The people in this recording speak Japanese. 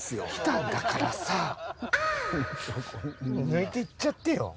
抜いていっちゃってよ。